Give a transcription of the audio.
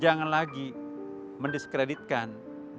jangan lagi menjauhi orang yang berpenyakit menular itu